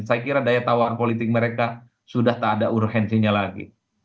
saya kira daya tawaran politik mereka sudah tak ada urgensinya lagi